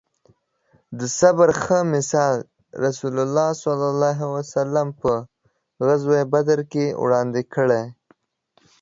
د صبر ښه مثال رسول الله ص په غزوه بدر کې وړاندې کړی